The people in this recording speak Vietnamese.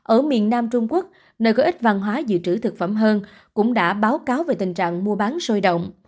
ở miền nam trung quốc nơi có ít văn hóa dự trữ thực phẩm hơn cũng đã báo cáo về tình trạng mua bán sôi động